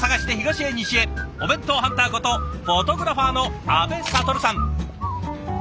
お弁当ハンターことフォトグラファーの阿部了さん。